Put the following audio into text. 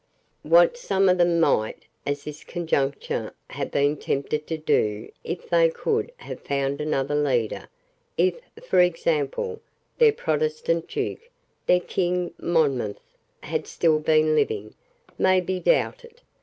What some of them might, at this conjuncture, have been tempted to do if they could have found another leader, if, for example, their Protestant Duke, their King Monmouth, had still been living, may be doubted.